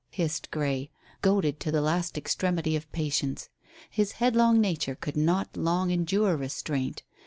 hissed Grey, goaded to the last extremity of patience. His headlong nature could not long endure restraint.